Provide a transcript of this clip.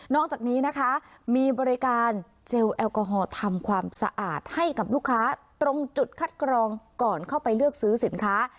จากนี้นะคะมีบริการเจลแอลกอฮอล์ทำความสะอาดให้กับลูกค้าตรงจุดคัดกรองก่อนเข้าไปเลือกซื้อสินค้า